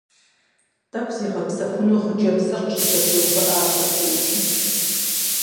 ТӀэкӀу зигъэпсэхуну хъыджэбзыр къыщызэтеувыӀащ абдежым.